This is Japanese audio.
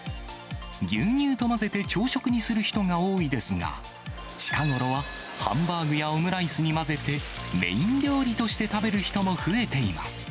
牛乳と混ぜて朝食にする人が多いですが、近頃はハンバーグやオムライスに混ぜて、メイン料理として食べる人も増えています。